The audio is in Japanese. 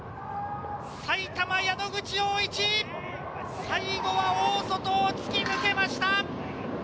埼玉・宿口陽一、最後は大外をつき抜けました。